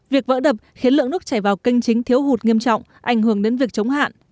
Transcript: việc vỡ đập khiến lượng nước chảy vào kênh chính thiếu hụt nghiêm trọng ảnh hưởng đến việc chống hạn